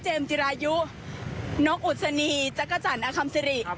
เจมส์จิรายุนกอุษณีจักรจรอคัมซิริ